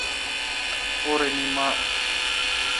اورنی معاف۔